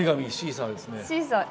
シーサー